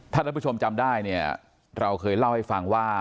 ถ้าท่านผู้ชมจำได้เนี่ยเราเคยเล่าให้ฟังว่า